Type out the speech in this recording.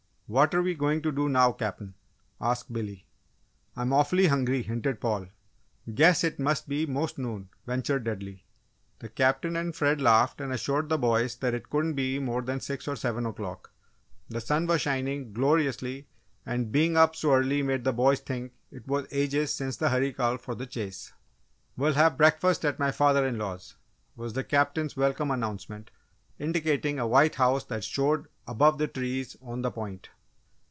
"What're we going to do now, Cap'n?" asked Billy. "I'm awful hungry!" hinted Paul. "Guess it must be most noon," ventured Dudley. The Captain and Fred laughed and assured the boys that it couldn't be more than six or seven o'clock. The sun was shining gloriously and being up so early made the boys think it was ages since the hurry call for the chase. "We'll have breakfast at my father in law's," was the Captain's welcome announcement, indicating a white house that showed above the trees on the point.